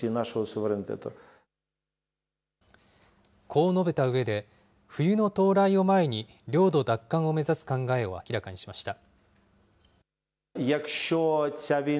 こう述べたうえで、冬の到来を前に、領土奪還を目指す考えを明らかにしました。